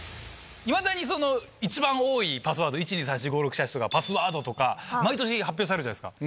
いまだに一番多いパスワード、１２３４５６７８とか、パスワードとか、毎年、発表されるじゃないですか。